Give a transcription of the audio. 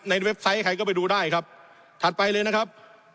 เว็บไซต์ใครก็ไปดูได้ครับถัดไปเลยนะครับ